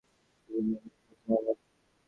শুভ জন্মদিন প্রথম আলো।